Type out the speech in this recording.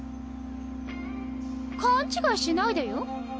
・勘違いしないでよ。